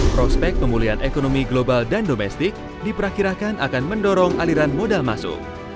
prospek pemulihan ekonomi global dan domestik diperkirakan akan mendorong aliran modal masuk